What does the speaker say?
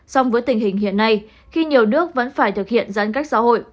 song với tình hình hiện nay khi nhiều nước vẫn phải thực hiện giãn cách xã hội